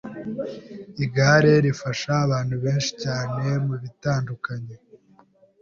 Igare rifasha abantu benshi cyane mu bitandukanye